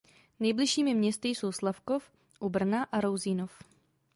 Nejbližšími městy jsou Slavkov u Brna a Rousínov.